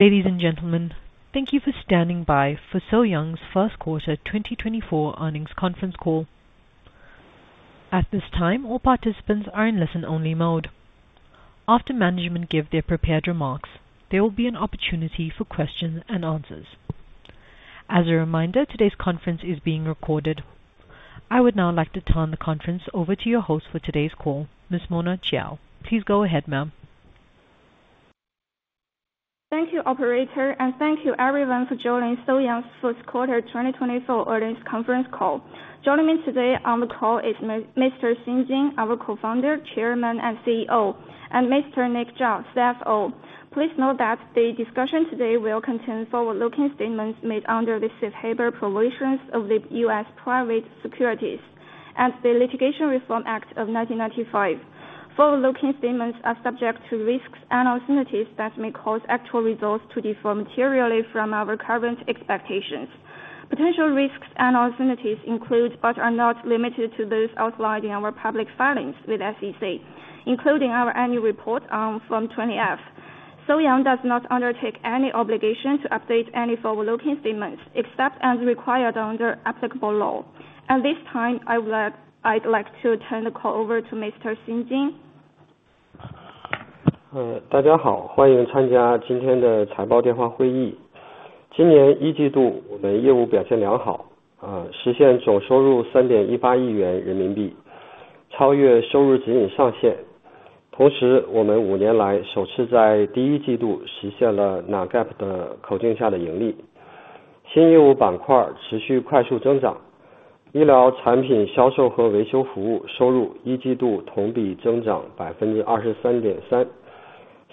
Ladies and gentlemen, thank you for standing by for So-Young's first quarter 2024 earnings conference call. At this time, all participants are in listen-only mode. After management give their prepared remarks, there will be an opportunity for questions and answers. As a reminder, today's conference is being recorded. I would now like to turn the conference over to your host for today's call, Ms. Mona Qiao. Please go ahead, ma'am. Thank you, operator, and thank you everyone for joining So-Young's first quarter 2024 earnings conference call. Joining me today on the call is Mr. Xing Jin, our Co-founder, Chairman, and CEO, and Mr. Nick Zhao, CFO. Please note that the discussion today will contain forward-looking statements made under the safe harbor provisions of the U.S. Private Securities Litigation Reform Act of 1995. Forward-looking statements are subject to risks and uncertainties that may cause actual results to differ materially from our current expectations. Potential risks and uncertainties include, but are not limited to, those outlined in our public filings with the SEC, including our annual report on Form 20-F. So-Young does not undertake any obligation to update any forward-looking statements, except as required under applicable law. At this time, I'd like to turn the call over to Mr. Xing Jin.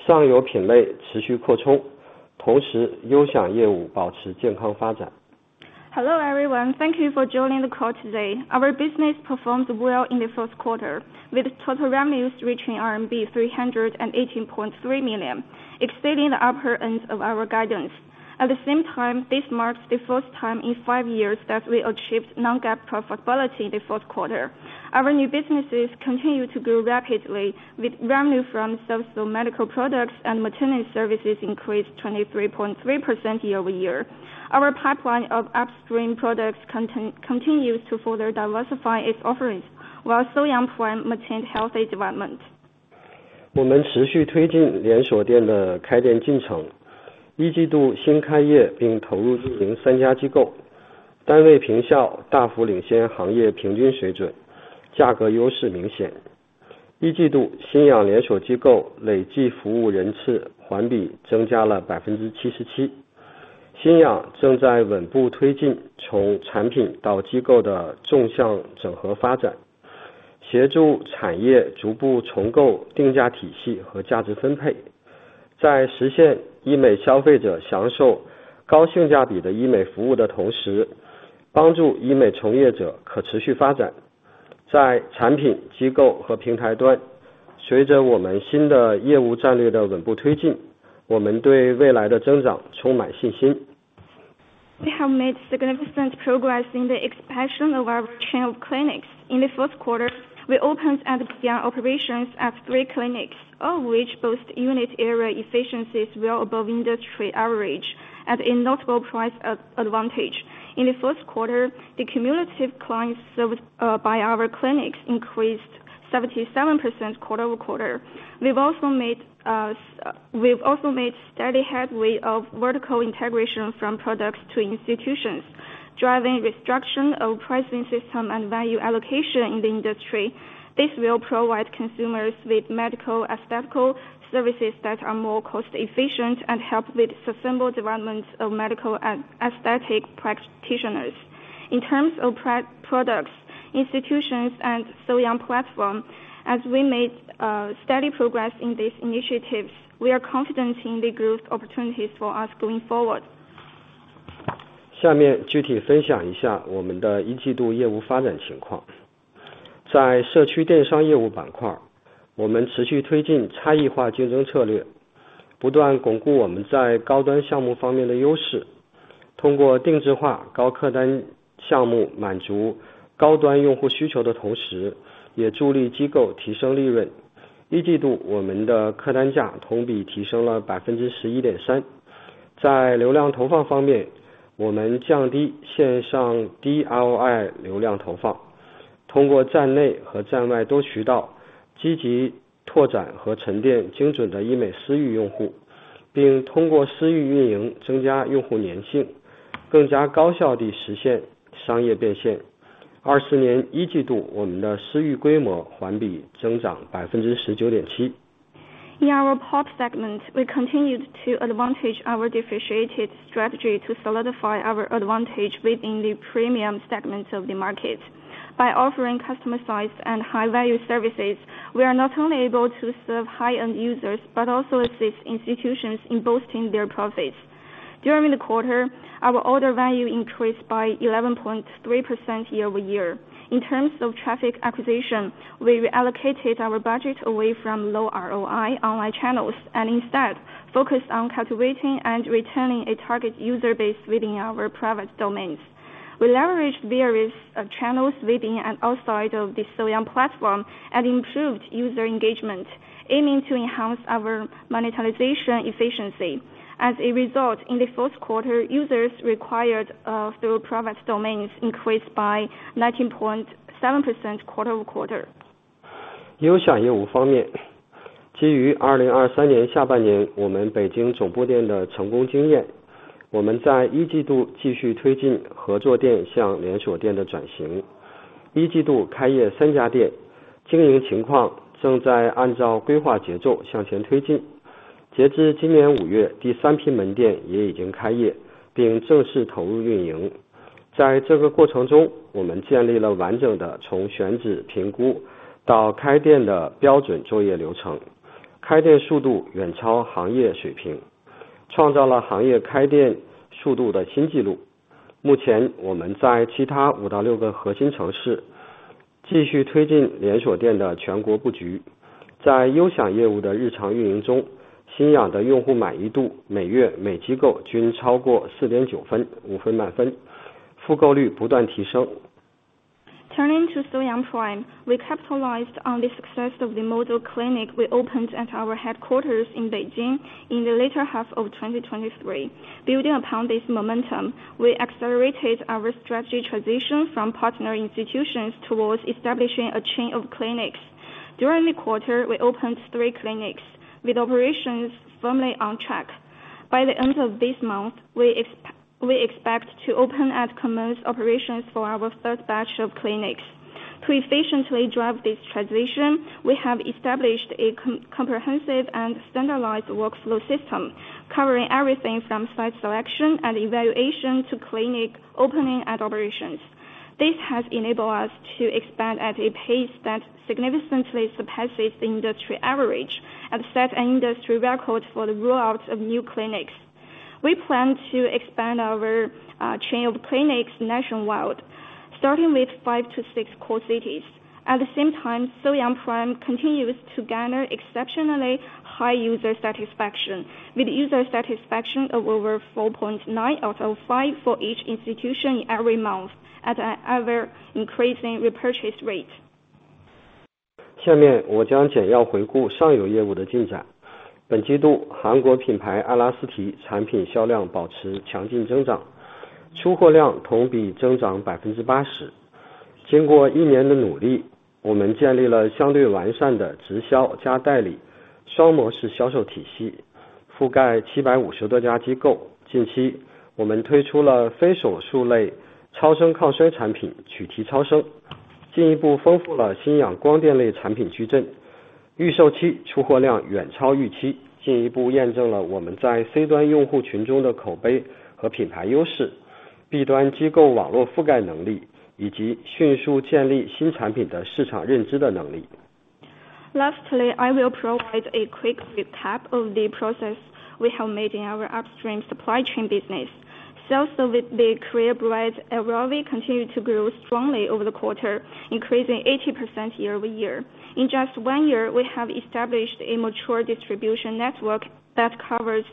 Hello, everyone. Thank you for joining the call today. Our business performed well in the first quarter, with total revenues reaching RMB 318.3 million, exceeding the upper end of our guidance. At the same time, this marks the first time in five years that we achieved Non-GAAP profitability in the first quarter. Our new businesses continue to grow rapidly, with revenue from service of medical products and maintenance services increased 23.3% year-over-year. Our pipeline of upstream products continues to further diversify its offerings, while So-Young Prime maintained healthy development. We have made significant progress in the expansion of our chain of clinics. In the first quarter, we opened and began operations at three clinics, all which boast unit area efficiencies well above industry average at a notable price advantage. In the first quarter, the cumulative clients served by our clinics increased 77% quarter-over-quarter. We've also made steady headway of vertical integration from products to institutions, driving restructuring of pricing system and value allocation in the industry. This will provide consumers with medical aesthetic services that are more cost efficient and help with sustainable development of medical and aesthetic practitioners. In terms of products, institutions, and So-Young platform, as we made steady progress in these initiatives, we are confident in the growth opportunities for us going forward. In our POP segment, we continued to advantage our differentiated strategy to solidify our advantage within the premium segment of the market. By offering customized and high-value services, we are not only able to serve high-end users, but also assist institutions in boosting their profits. During the quarter, our order value increased by 11.3% year-over-year. In terms of traffic acquisition, we reallocated our budget away from low ROI online channels, and instead focused on cultivating and retaining a target user base within our private domains. We leveraged various channels within and outside of the So-Young platform and improved user engagement, aiming to enhance our monetization efficiency. As a result, in the fourth quarter, users acquired through private domains increased by 19.7% quarter-over-quarter. Turning to So-Young Prime, we capitalized on the success of the model clinic we opened at our headquarters in Beijing in the latter half of 2023. Building upon this momentum, we accelerated our strategy transition from partner institutions towards establishing a chain of clinics. During the quarter, we opened three clinics, with operations firmly on track. By the end of this month, we expect to open and commence operations for our third batch of clinics. To efficiently drive this transition, we have established a comprehensive and standardized workflow system, covering everything from site selection and evaluation to clinic opening and operations. This has enabled us to expand at a pace that significantly surpasses the industry average and set an industry record for the rollout of new clinics. We plan to expand our chain of clinics nationwide, starting with 5-6 core cities. At the same time, So-Young Prime continues to garner exceptionally high user satisfaction, with user satisfaction of over 4.9 out of 5 for each institution every month, at an ever-increasing repurchase rate. Lastly, I will provide a quick recap of the progress we have made in our upstream supply chain business. Sales of the Korea brand, Elasty, continued to grow strongly over the quarter, increasing 80% year-over-year. In just one year, we have established a mature distribution network that covers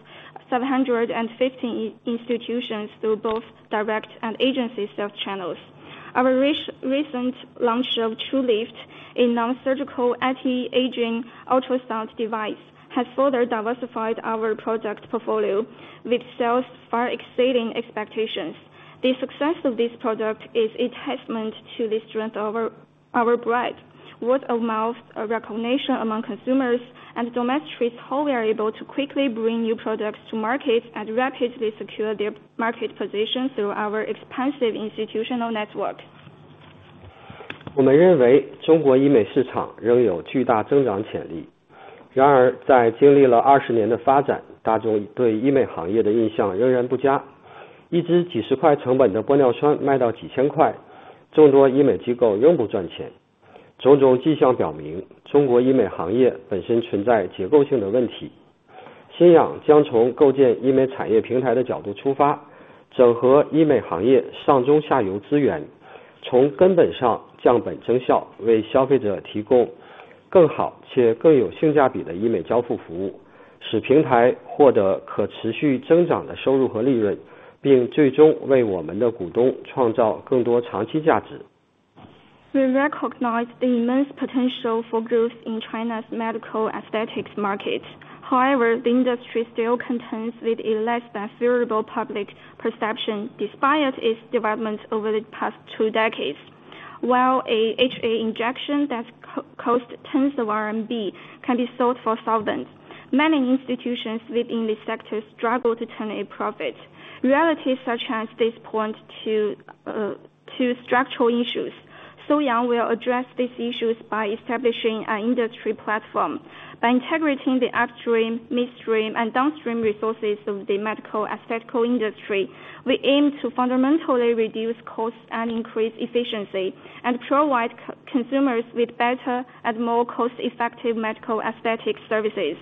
750 institutions through both direct and agency sales channels. Our recent launch of TruLift, a non-surgical anti-aging ultrasound device, has further diversified our product portfolio, with sales far exceeding expectations. The success of this product is a testament to the strength of our brand, word-of-mouth recognition among consumers, and domestically, how we are able to quickly bring new products to market and rapidly secure their market position through our expansive institutional network. We recognize the immense potential for growth in China's medical aesthetics market. However, the industry still contends with a less than favorable public perception, despite its development over the past two decades. While a HA injection that costs tens of CNY can be sold for thousands of CNY, many institutions within the sector struggle to turn a profit. Realities such as this point to structural issues. So-Young will address these issues by establishing an industry platform. By integrating the upstream, midstream, and downstream resources of the medical aesthetic industry, we aim to fundamentally reduce costs and increase efficiency, and provide consumers with better and more cost-effective medical aesthetic services.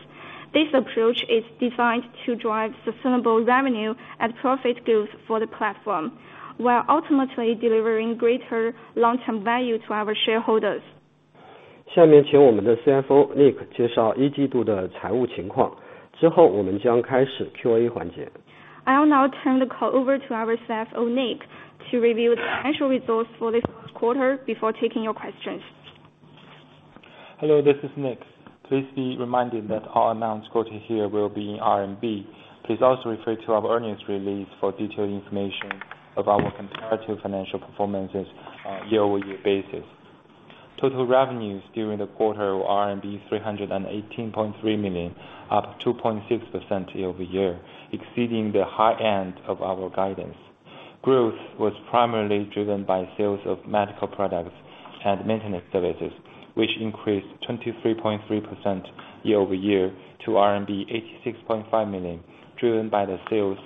This approach is designed to drive sustainable revenue and profit growth for the platform, while ultimately delivering greater long-term value to our shareholders. I will now turn the call over to our CFO, Nick, to review the financial results for this quarter before taking your questions. Hello, this is Nick. Please be reminded that all amounts quoted here will be in CNY. Please also refer to our earnings release for detailed information about our comparative financial performances on a year-over-year basis. Total revenues during the quarter were RMB 318.3 million, up 2.6% year-over-year, exceeding the high end of our guidance. Growth was primarily driven by sales of medical products and maintenance services, which increased 23.3% year-over-year to RMB 86.5 million, driven by the sales,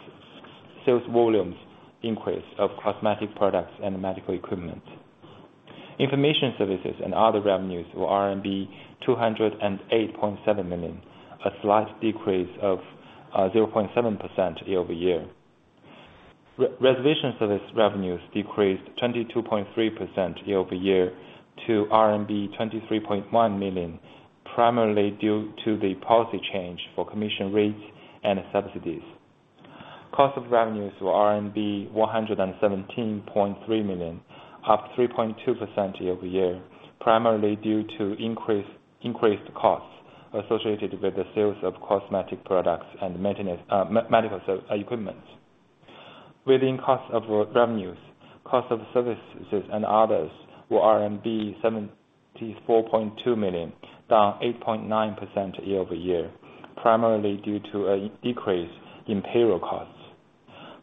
sales volumes increase of cosmetic products and medical equipment. Information services and other revenues were RMB 208.7 million, a slight decrease of 0.7% year-over-year. Reservation service revenues decreased 22.3% year-over-year to RMB 23.1 million, primarily due to the policy change for commission rates and subsidies. Cost of revenues were RMB 117.3 million, up 3.2% year-over-year, primarily due to increased costs associated with the sales of cosmetic products and medical equipment. Within cost of revenues, cost of services and others were RMB 74.2 million, down 8.9% year-over-year, primarily due to a decrease in payroll costs.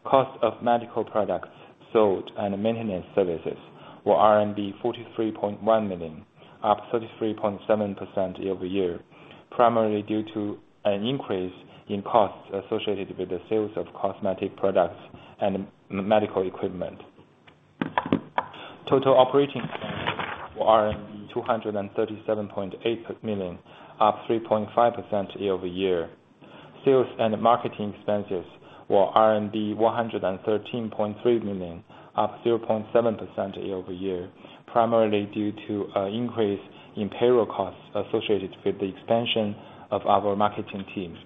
Cost of medical products sold and maintenance services were RMB 43.1 million, up 33.7% year-over-year, primarily due to an increase in costs associated with the sales of cosmetic products and medical equipment. Total operating expenses were CNY 237.8 million, up 3.5% year-over-year. Sales and marketing expenses were RMB 113.3 million, up 0.7% year-over-year, primarily due to an increase in payroll costs associated with the expansion of our marketing team.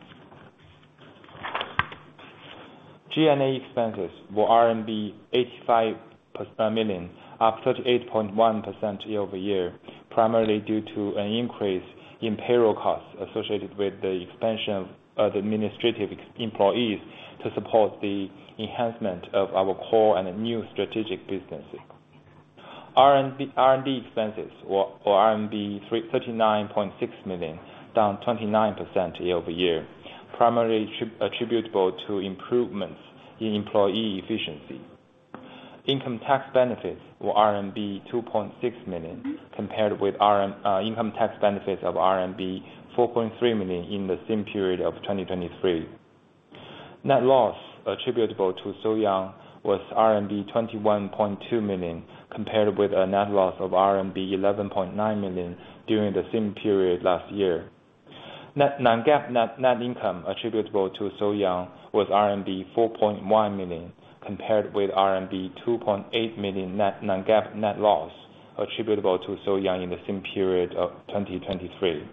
G&A expenses were CNY 85 million, up 38.1% year-over-year, primarily due to an increase in payroll costs associated with the expansion of the administrative employees to support the enhancement of our core and new strategic businesses. R&D expenses were CNY 39.6 million, down 29% year-over-year, primarily attributable to improvements in employee efficiency. Income tax benefits were RMB 2.6 million, compared with CNY income tax benefits of RMB 4.3 million in the same period of 2023. Net loss attributable to So-Young was RMB 21.2 million, compared with a net loss of RMB 11.9 million during the same period last year. Non-GAAP net income attributable to So-Young was RMB 4.1 million, compared with RMB 2.8 million non-GAAP net loss attributable to So-Young in the same period of 2023.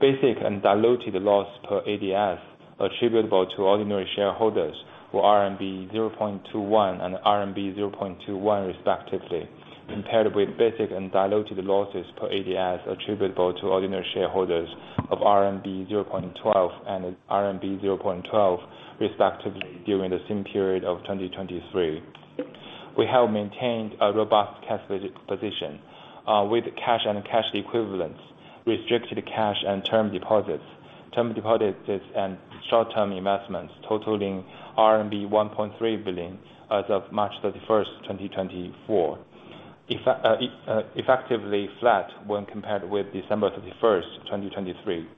Basic and diluted loss per ADS attributable to ordinary shareholders were RMB 0.21 and RMB 0.21 respectively, compared with basic and diluted losses per ADS attributable to ordinary shareholders of RMB 0.12 and RMB 0.12 respectively during the same period of 2023. We have maintained a robust cash position with cash and cash equivalents, restricted cash and term deposits, term deposits and short-term investments totaling RMB 1.3 billion as of March 31, 2024. Effectively flat when compared with December 31, 2023.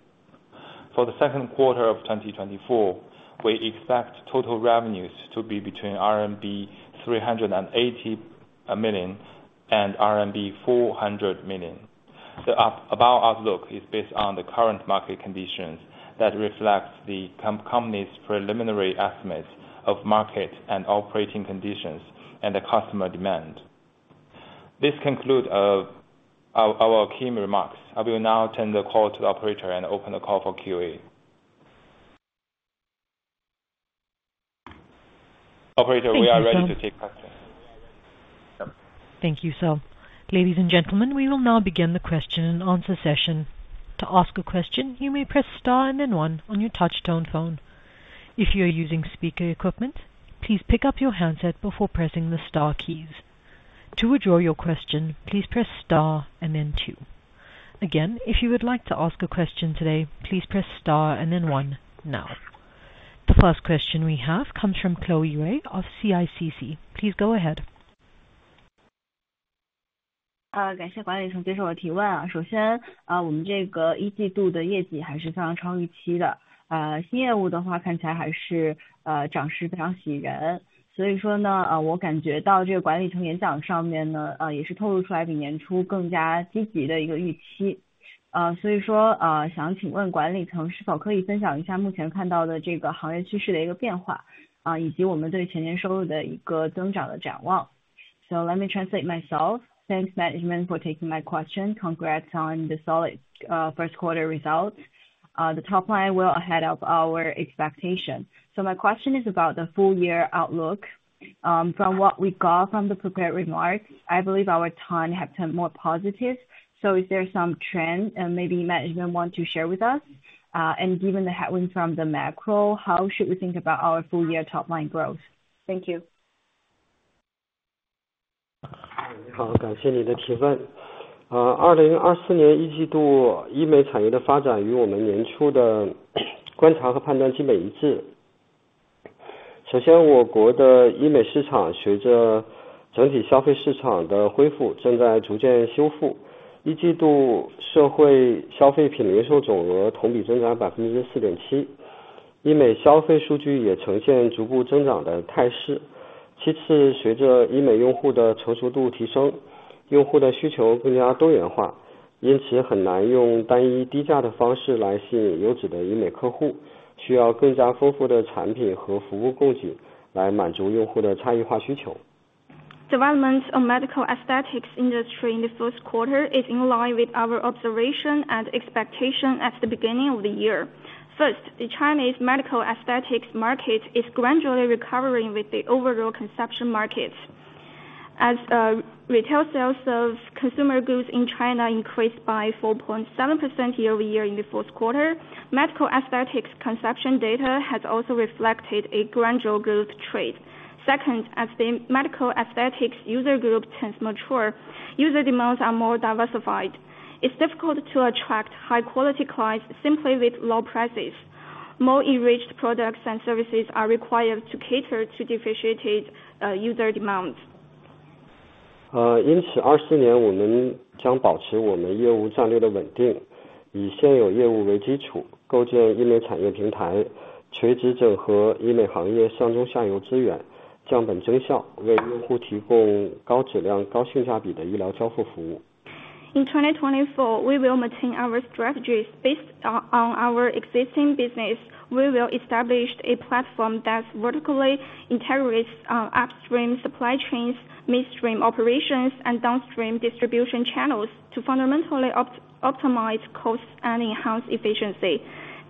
For the second quarter of 2024, we expect total revenues to be between RMB 380 million and RMB 400 million. The updated outlook is based on the current market conditions that reflects the company's preliminary estimates of market and operating conditions and the customer demand. This concludes our key remarks. I will now turn the call to the operator and open the call for Q&A. Operator, we are ready to take questions. Thank you, sir. Thank you, sir. Ladies and gentlemen, we will now begin the question and answer session. To ask a question, you may press star and then one on your touchtone phone. If you are using speaker equipment, please pick up your handset before pressing the star keys. To withdraw your question, please press star and then two. Again, if you would like to ask a question today, please press star and then one now. The first question we have comes from Chloe Wei of CICC. Please go ahead. So let me translate myself, thanks management for taking my question, congrats on the solid, first quarter results. The top line well ahead of our expectation. So my question is about the full year outlook, from what we got from the prepared remarks, I believe our tone have turned more positive. So is there some trend and maybe management want to share with us? And given the headwind from the macro, how should we think about our full year top line growth? Thank you. Development of medical aesthetics industry in the first quarter is in line with our observation and expectation at the beginning of the year. First, the Chinese medical aesthetics market is gradually recovering with the overall consumption markets. As retail sales of consumer goods in China increased by 4.7% year-over-year in the fourth quarter, medical aesthetics consumption data has also reflected a gradual growth trend. Second, as the medical aesthetics user group turns mature, user demands are more diversified. It's difficult to attract high quality clients simply with low prices. More enriched products and services are required to cater to differentiated, user demands. In 2024, we will maintain our strategies based on, on our existing business, we will establish a platform that vertically integrates upstream supply chains, midstream operations, and downstream distribution channels to fundamentally opt-optimize costs and enhance efficiency.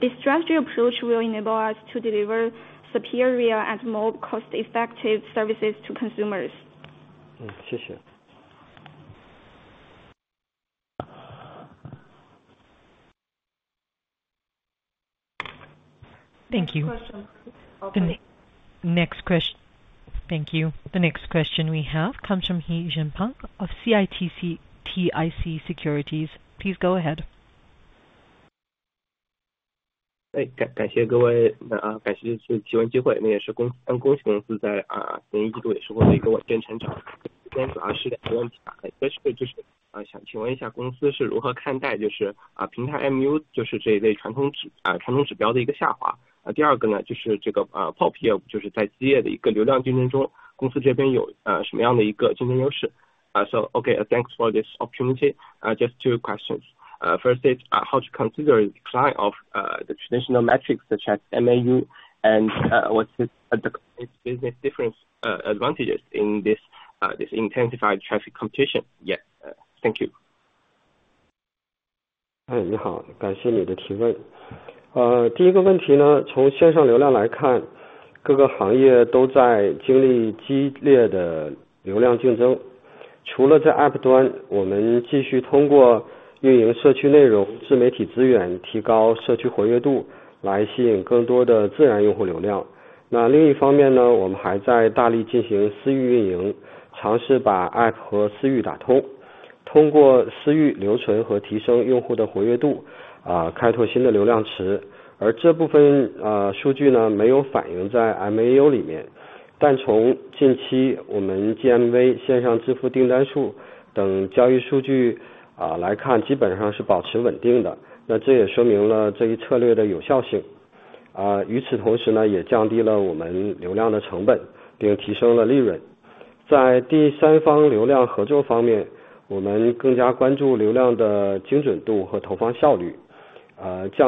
This strategy approach will enable us to deliver superior and more cost effective services to consumers. Thank you. The next question we have comes from Jinpeng He of CITIC Securities. Please go ahead. So, okay, thanks for this opportunity. Just two questions. First is, how to consider the decline of the traditional metrics such as MAU and, what's the business difference, advantages in this intensified traffic competition? Yes, thank you. In terms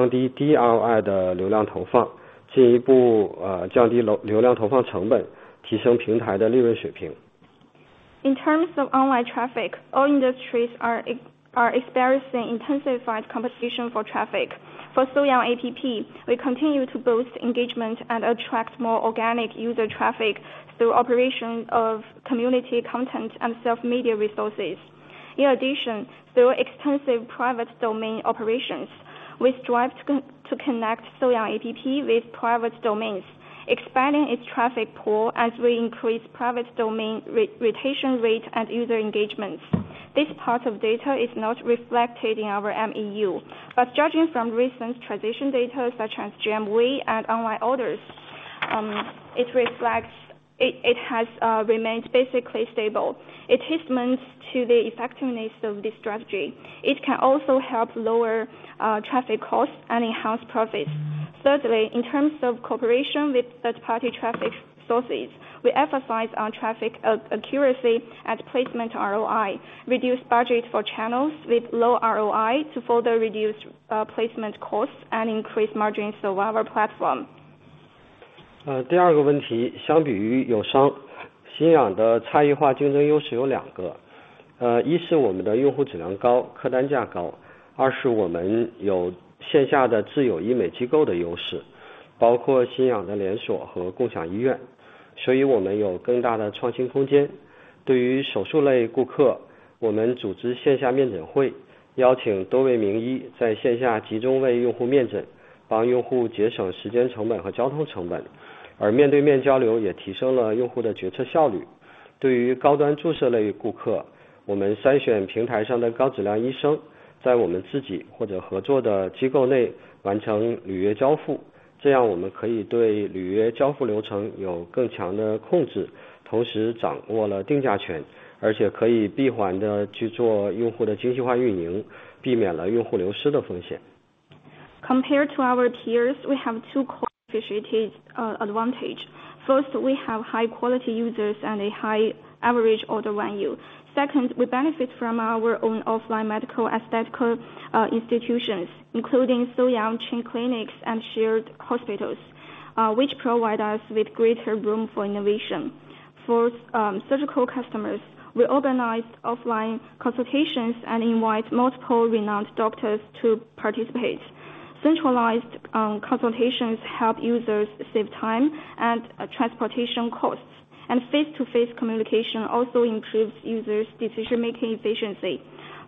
of online traffic, all industries are experiencing intensified competition for traffic. For So-Young App, we continue to boost engagement and attract more organic user traffic through operation of community content and self-media resources. In addition, through extensive private domain operations, we strive to connect So-Young App with private domains, expanding its traffic pool as we increase private domain retention rate and user engagements. This part of data is not reflected in our MAU, but judging from recent transaction data such as GMV and online orders, it has remained basically stable. It hints to the effectiveness of this strategy. It can also help lower traffic costs and enhance profits... Thirdly, in terms of cooperation with third party traffic sources, we emphasize on traffic accuracy and placement ROI. Reduce budget for channels with low ROI to further reduce placement costs and increase margins of our platform. Compared to our peers, we have two competitive advantage. First, we have high-quality users and a high average order value. Second, we benefit from our own offline medical aesthetic institutions, including So-Young Chain Clinics and shared hospitals, which provide us with greater room for innovation. For surgical customers, we organize offline consultations and invite multiple renowned doctors to participate. Centralized consultations help users save time and transportation costs, and face-to-face communication also improves users' decision-making efficiency.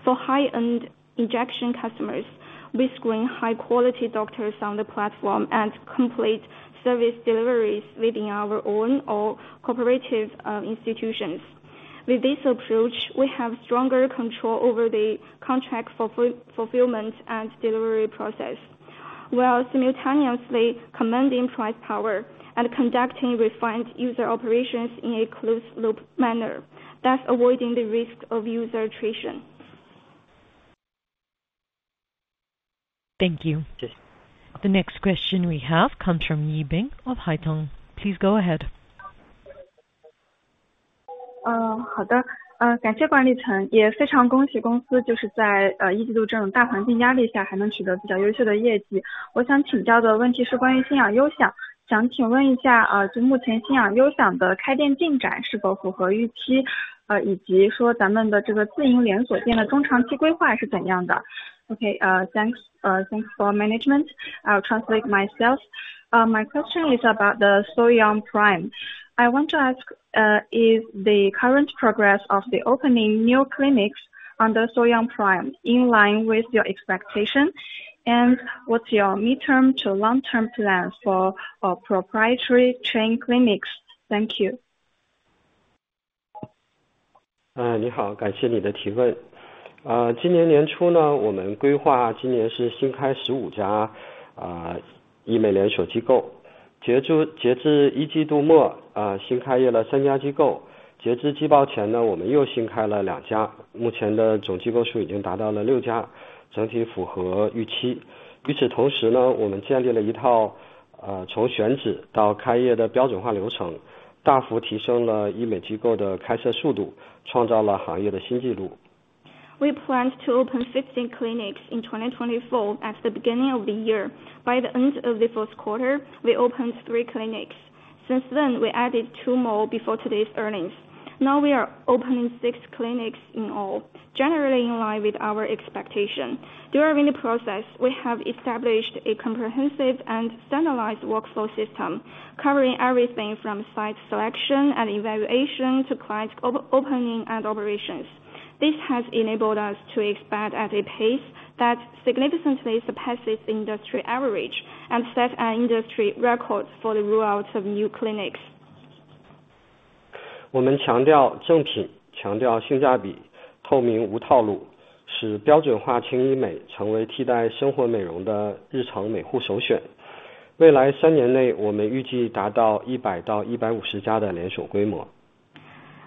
For high-end injection customers, we screen high-quality doctors on the platform and complete service deliveries within our own or cooperative institutions. With this approach, we have stronger control over the contract fulfillment and delivery process, while simultaneously commanding price power and conducting refined user operations in a closed-loop manner, thus avoiding the risk of user attrition. Thank you. The next question we have comes from Yibing of Haitong. Please go ahead. Okay, thanks. Thanks for management. I'll translate myself. My question is about the So-Young Prime. I want to ask, is the current progress of the opening new clinics under So-Young Prime in line with your expectation? And what's your midterm to long-term plans for, proprietary chain clinics? Thank you. We planned to open 15 clinics in 2024 at the beginning of the year. By the end of the first quarter, we opened 3 clinics. Since then, we added 2 more before today's earnings. Now we are opening 6 clinics in all, generally in line with our expectation. During the process, we have established a comprehensive and standardized workflow system, covering everything from site selection and evaluation to clinic opening and operations. This has enabled us to expand at a pace that significantly surpasses industry average and set an industry record for the rollout of new clinics. Emphasizing on authentic products, cost, performance, and transparency. Our aim is to position standardized light medical aesthetic services as the first choice of everyday cosmetic consumption. We expect to reach the scale of 100 clinics-150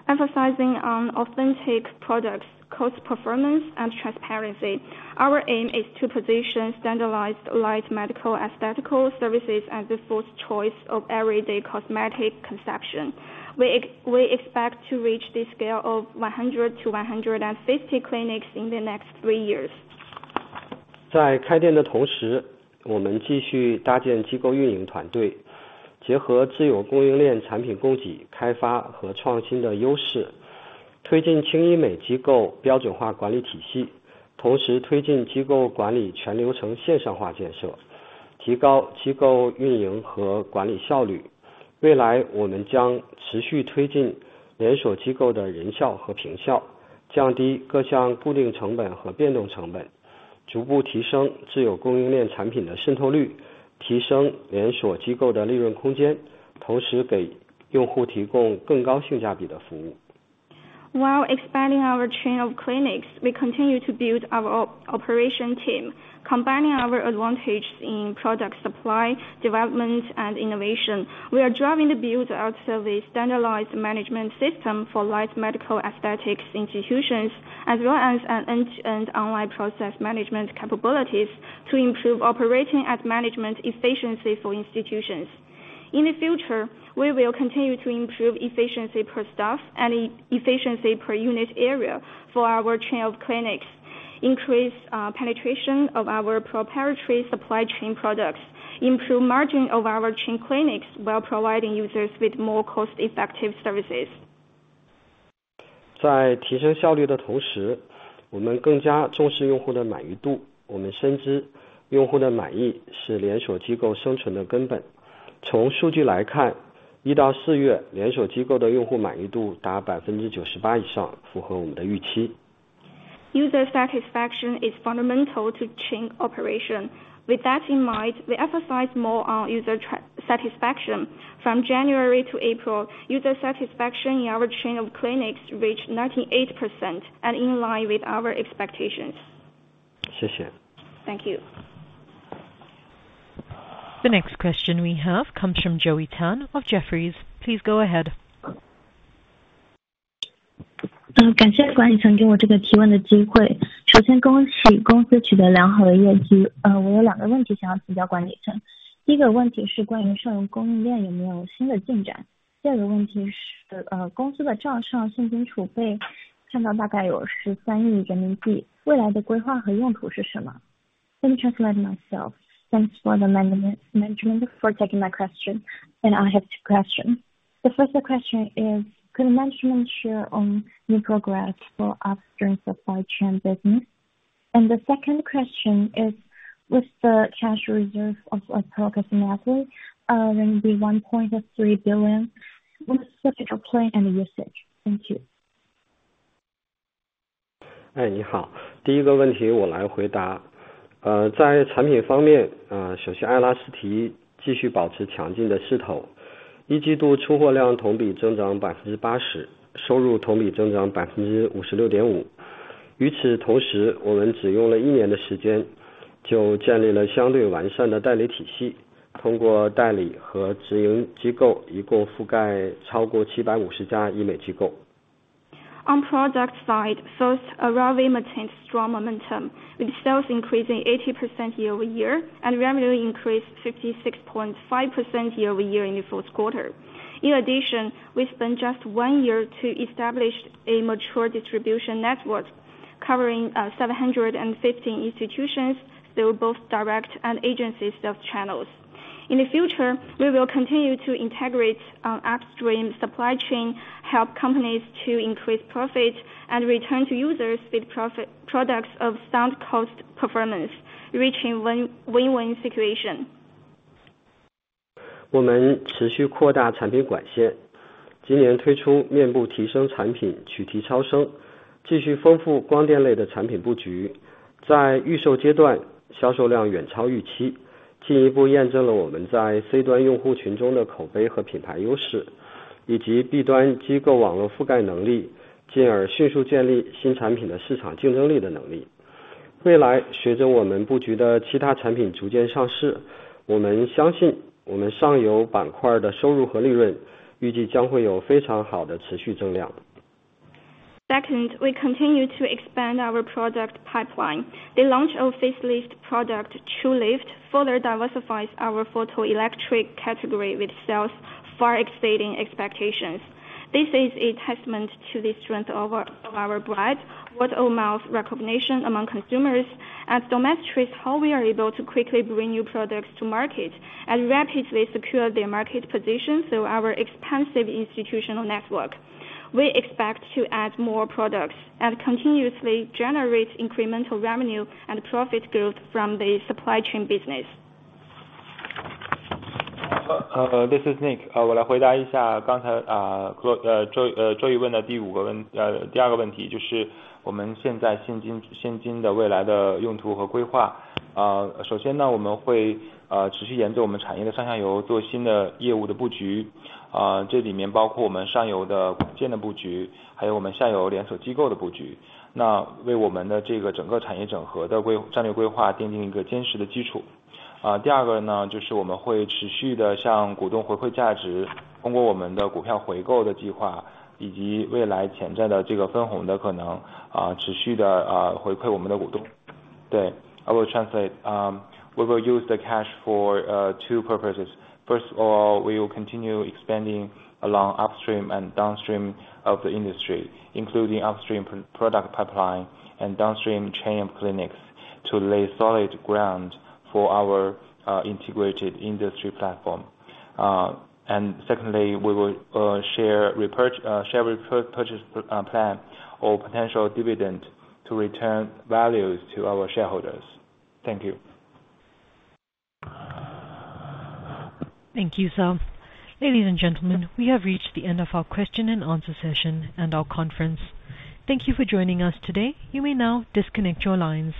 clinics in the next three years. While expanding our chain of clinics, we continue to build our operation team, combining our advantage in product supply, development, and innovation. We are driving the build out of a standardized management system for light medical aesthetics institutions, as well as an end-to-end online process management capabilities to improve operating and management efficiency for institutions. In the future, we will continue to improve efficiency per staff and efficiency per unit area for our chain of clinics. Increase penetration of our proprietary supply chain products, improve margin of our chain clinics while providing users with more cost-effective services. User satisfaction is fundamental to chain operation. With that in mind, we emphasize more on user satisfaction. From January to April, user satisfaction in our chain of clinics reached 98% and in line with our expectations. Thank you. The next question we have comes from Janie Tan of Jefferies. Please go ahead. The second question is, with the cash reserve of approximately, then the CNY 1.3 billion, what is the digital plan and usage? Thank you. On product side, first, Elasty maintains strong momentum, with sales increasing 80% year-over-year, and revenue increased 56.5% year-over-year in the fourth quarter. In addition, we spent just one year to establish a mature distribution network covering 750 institutions through both direct and agency sales channels. In the future, we will continue to integrate upstream supply chain, help companies to increase profit and return to users with profit-products of sound cost performance, reaching win-win situation. Second, we continue to expand our product pipeline. The launch of facelift product, TruLift, further diversifies our photoelectric category, with sales far exceeding expectations. This is a testament to the strength of our brand, word-of-mouth recognition among consumers, and domestically, how we are able to quickly bring new products to market and rapidly secure their market position through our expansive institutional network. We expect to add more products and continuously generate incremental revenue and profit growth from the supply chain business. This is Nick. We will use the cash for two purposes. First of all, we will continue expanding along upstream and downstream of the industry, including upstream product pipeline and downstream chain of clinics, to lay solid ground for our integrated industry platform. And secondly, we will share repurchase plan or potential dividend to return values to our shareholders. Thank you. Thank you, sir. Ladies and gentlemen, we have reached the end of our question and answer session and our conference. Thank you for joining us today. You may now disconnect your lines.